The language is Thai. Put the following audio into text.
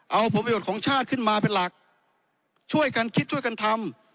เอาผลประโยชน์ของชาติขึ้นมาเป็นหลักช่วยกันคิดช่วยกันทำ